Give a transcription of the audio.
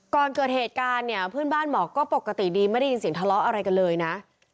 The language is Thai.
ก่อนเกิดเหตุการณ์เนี่ยเพื่อนบ้านบอกก็ปกติดีไม่ได้ยินเสียงทะเลาะอะไรกันเลยนะ